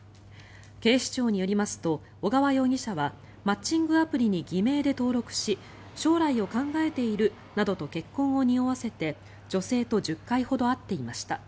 警視庁によりますと小川容疑者はマッチングアプリに偽名で登録し将来を考えているなどと結婚をにおわせて女性と１０回ほど会っていました。